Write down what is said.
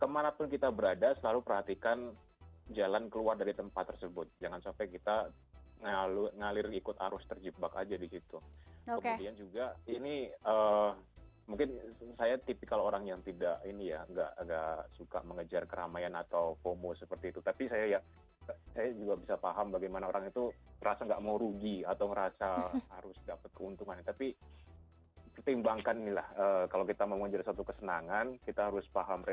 kemana pun kita berada selalu perhatikan jalan keluar dari tempat tersebut jangan sampai kita yalu nyalir ikut arus terjebak aja di situ kemudian juga ini mungkin saya tipikal orang yang tidak ini ya enggak agak suka mengejar keramaian atau fomo seperti itu tapi saya ya saya juga bisa paham bagaimana orang itu merasa gak mau rugi atau merasa harus dapet keuntungan tapi ketimbangkan inilah kalau kita mau menjadi satu kesenangan kita harus paham resepnya kita harus pahamnya dan melihat peran di mana pada saat mereka berada dan atau harso tersebut mungkin disitu saya bisa tumpang mengelola ia tribrate dan melihat tulisannya karena kita pasti juga terburu seperti itu jadi saya selalu disipikan lebih banyak dari yang ada di sini karena bagaimana kalau satu orang juga tidak berpikir perune staying perempuan maka harus melihat itu jadi mije kan